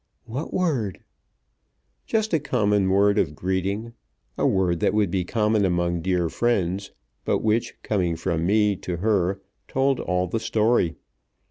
"What word?" "Just a common word of greeting, a word that would be common among dear friends, but which, coming from me to her, told all the story.